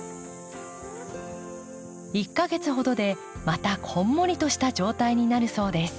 １か月ほどでまたこんもりとした状態になるそうです。